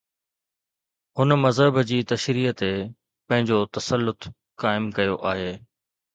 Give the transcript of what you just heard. هن مذهب جي تشريح تي پنهنجو تسلط قائم ڪيو آهي.